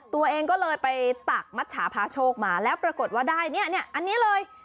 ตัวเองก็เลยไปตักมัชชาพาโชคมาแล้วปรากฏว่าได้เนี่ยอันนี้เลย